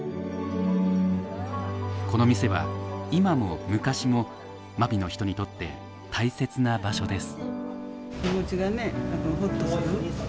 この店は今も昔も真備の人にとって大切な場所です。